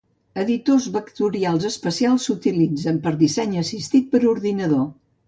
Editors vectorials especials s'utilitzen per a disseny assistit per ordinador.